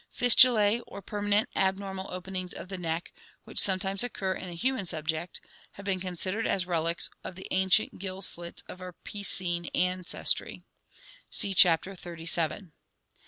Fistulas, or permanent abnormal openings of the neck, which sometimes occur in the human subject, have been considered as relics of the ancient gill slits of our piscine ancestry (see Chapter XXXVII).